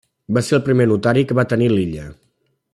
Va ser el primer notari que va tenir l'illa.